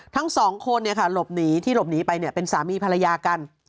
ทั้ง๒คนที่หลบหนีไปเป็นสามีภรรยากัน